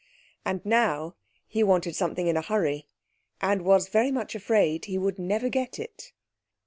And now he wanted something in a hurry, and was very much afraid he would never get it.